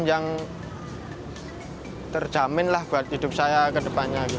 yang terjamin lah buat hidup saya ke depannya